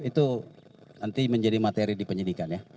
itu nanti menjadi materi di penyidikan ya